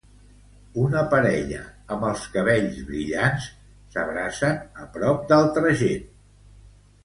Una parella amb els cabells brillants s'abracen a prop d'altra gent.